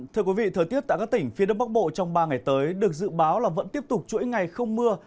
thưa quý vị thời tiết tại các tỉnh phía đông bắc bộ trong ba ngày tới được dự báo là vẫn tiếp tục chuỗi ngày không mưa